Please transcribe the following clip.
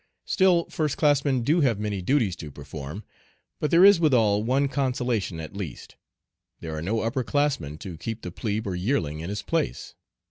Still first classmen do have many duties to perform, but there is withal one consolation at least, there are no upper classmen to keep the plebe or yearling in his place.